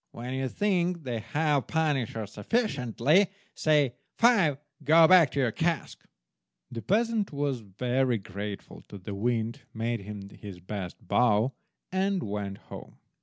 When you think they have punished her sufficiently, say, 'Five, go back to your cask!'" The peasant was very grateful to the Wind, made him his best bow, and went home.